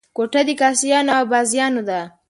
کوټه د کاسيانو او بازیانو ده.